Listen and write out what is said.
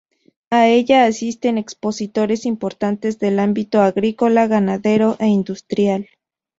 A ella asisten expositores importantes del ámbito agrícola, ganadero e industrial.